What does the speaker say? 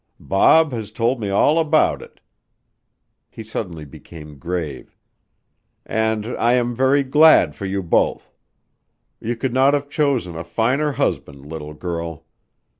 Bob has told me all about it," he suddenly became grave, "and I am very glad for you both. You could not have chosen a finer husband, little girl.